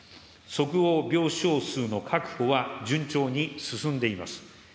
即応病床数の確保は順調に進んでいます。